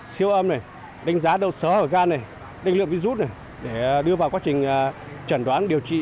siêu âm này đánh giá đâu sớ hỏi gan này đánh lượng virus này để đưa vào quá trình trần đoán điều trị